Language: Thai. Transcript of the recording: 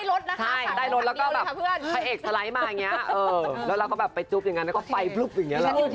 โอ้ได้แค่ฉากนั้น